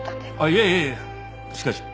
いやいやいやしかし。